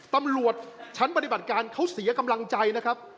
ตำรวจชั้นปฏิบัติการเขาเสียกำลังใจนะครับ